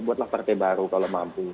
buatlah partai baru kalau mampu